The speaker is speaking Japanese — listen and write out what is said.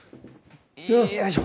よいしょ。